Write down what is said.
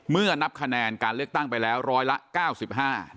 เมื่อนับคะแนนการเลือกตั้งไปแล้ว๑๐๐ละ๙๕นะครับ